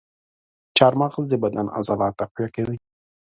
چارمغز د بدن عضلات تقویه کوي.